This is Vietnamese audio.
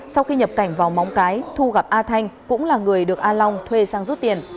sau khi nhập cảnh vào móng cái thu gặp a thanh cũng là người được a long thuê sang rút tiền